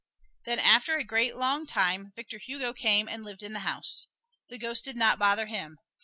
Then after a great, long time Victor Hugo came and lived in the house. The ghosts did not bother him.